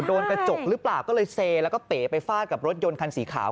โดนกระจกหรือเปล่าก็เลยเซแล้วก็เป๋ไปฟาดกับรถยนต์คันสีขาว